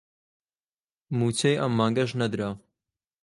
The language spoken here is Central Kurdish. مووچەی ئەم مانگەش نەدرا